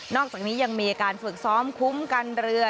อกจากนี้ยังมีการฝึกซ้อมคุ้มกันเรือ